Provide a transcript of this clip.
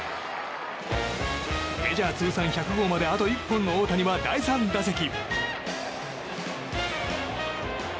メジャー通算１００号まであと１本の大谷は第３打席。